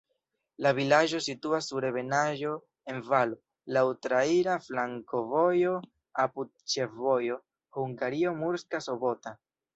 La vilaĝo situas sur ebenaĵo en valo, laŭ traira flankovojo apud ĉefvojo Hungario-Murska Sobota.